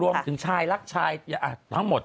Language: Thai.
รวมถึงชายรักชายทั้งหมด